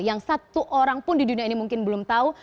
yang satu orang pun di dunia ini mungkin belum tahu